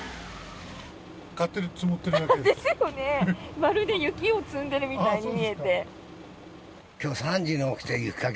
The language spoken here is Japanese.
まるで雪を積んでいるみたいに見えて。